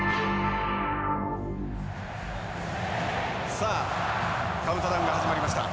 さあカウントダウンが始まりました。